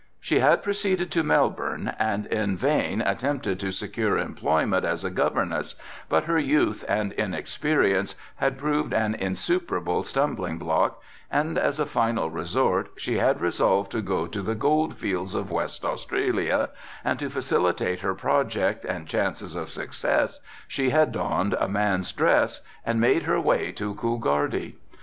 She had proceeded to Melbourne and in vain attempted to secure employment as a governess, but her youth and inexperience had proved an insuperable stumbling block and as a final resort she had resolved to go to the gold fields of West Australia and to facilitate her project and chances of success she had donned a man's dress and made her way to Coolgardie.